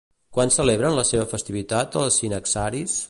Quan celebren la seva festivitat els sinaxaris?